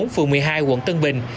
phường một mươi hai quận tân bình